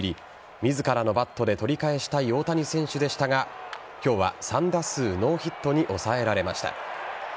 自らのバットで取り返したい大谷選手でしたが今日は３打数ノーヒットに抑えられました。